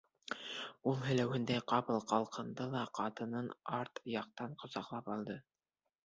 Ул һеләүһендәй ҡапыл ҡалҡынды ла ҡатынын арт яҡтан ҡосаҡлап алды.